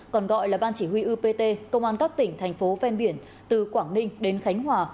còn gọi là ban chỉ huy upt công an các tỉnh thành phố ven biển từ quảng ninh đến khánh hòa